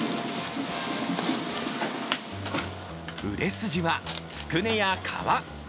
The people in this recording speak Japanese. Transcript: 売れ筋はつくねや皮。